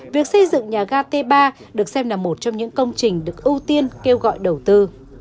việc xây dựng nhà ga t ba được xem là một trong những công trình được ưu tiên kêu gọi đầu tư